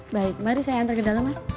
baik mari saya antar ke dalam mas